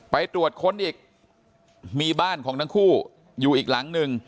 ไปตรวจค้นอีกมีบ้านของทั้งคู่อยู่อีกหลังหนึ่ง